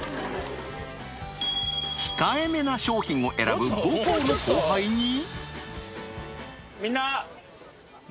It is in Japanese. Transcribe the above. ［控えめな商品を選ぶ母校の後輩に］